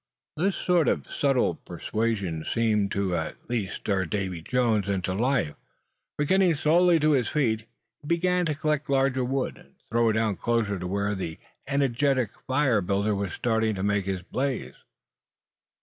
This sort of subtle persuasion seemed to at least stir Davy Jones into life, for getting slowly to his feet, he began to collect larger wood, and throw it down close to where the energetic fire builder was starting to make his blaze.